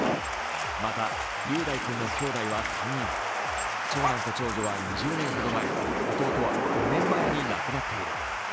また、雄大君のきょうだいは３人長男と長女は２０年ほど前弟は５年前に亡くなっている。